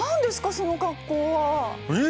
その格好は。えっ？